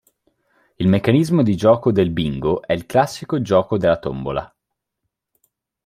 Il meccanismo di gioco del "Bingo" è il classico gioco della tombola.